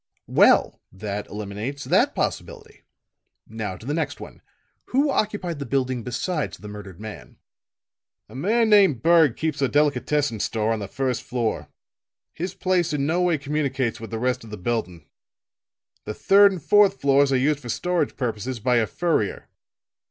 "Well, that eliminates that possibility. Now to the next one. Who occupied the building besides the murdered man?" "A man named Berg keeps a delicatessen store on the first floor. His place in no way communicates with the rest of the building. The third and fourth floors are used for storage purposes by a furrier.